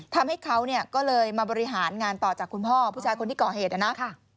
ทำให้เขาเนี่ยก็เลยมาบริหารงานต่อจากคุณพ่อผู้ชายคนที่ก่อเหตุนะนะ